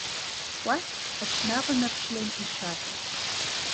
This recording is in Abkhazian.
Кәакьк аҽнаванаршәлон ишәаҟьа.